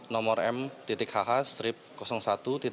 nomor m hh satu pk tujuh dua tahun dua ribu sembilan